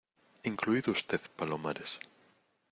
incluido usted, Palomares.